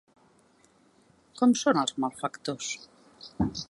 Com són els malfactors?